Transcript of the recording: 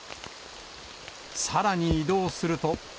さらに移動すると。